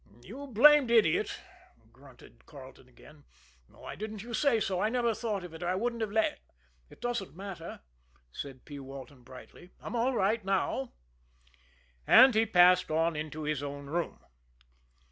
"You blamed idiot!" grunted Carleton again. "Why didn't you say so? I never thought of it, or I wouldn't have let " "It doesn't matter," said P. Walton brightly. "I'm all right now" and he passed on into his own room.